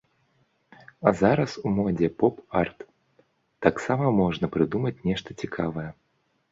А зараз у модзе поп-арт, таксама можна прыдумаць нешта цікавае.